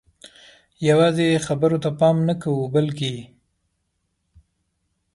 یوازې خبرو ته پام نه کوو بلکې